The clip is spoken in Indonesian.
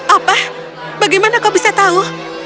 apa bagaimana kau bisa tahu